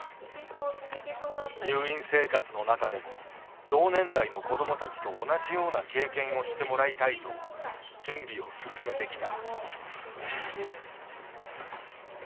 入院生活の中でも同年代の子どもたちと同じような経験をしてもらいたいと準備を進めてきた。